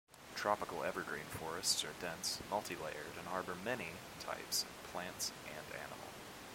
Tropical evergreen forests are dense, multi-layered, and harbour many types of plants and animal.